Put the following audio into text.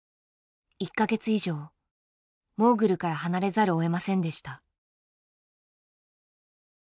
１か月以上モーグルから離れざるをえませんでした。